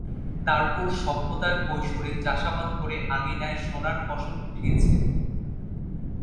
তারপর সভ্যতার কৈশোরে চাষাবাদ করে আঙিনায় সোনার ফসল উঠিয়েছে।